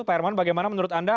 pak herman bagaimana menurut anda